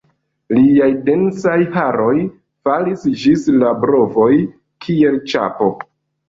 Liaj densaj haroj falis ĝis la brovoj, kiel ĉapo.